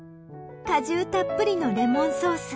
果汁たっぷりのレモンソース。